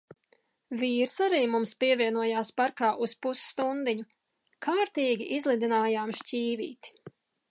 Vīrs arī mums pievienojās parkā uz pusstundiņu. Kārtīgi izlidinājām šķīvīti.